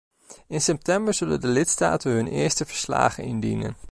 In september zullen de lidstaten hun eerste verslagen indienen.